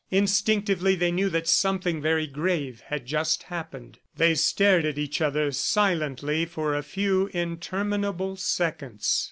Instinctively they knew that something very grave had just happened. They stared at each other silently for a few interminable seconds.